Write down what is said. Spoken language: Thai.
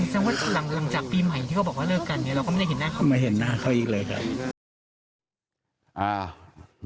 แสดงว่าหลังจากปีใหม่ที่เขาบอกว่าเลิกกันเนี่ยเราก็ไม่ได้เห็นหน้าเข้ามาเห็นหน้าเขาอีกเลยครับ